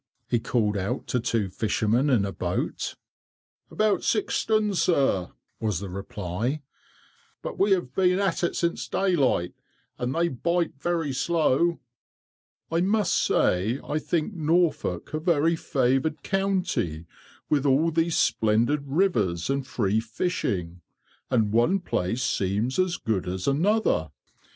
he called out to two fishermen in a boat. "About six stone, sir," was the reply; "but we have been at it since daylight, and they bite very slow." "I must say I think Norfolk a very favoured county, with all these splendid rivers and free fishing; and one place seems as good as another."